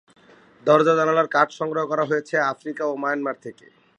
দরজা-জানালার কাঠ সংগ্রহ করা হয়েছে আফ্রিকা ও মায়ানমার থেকে।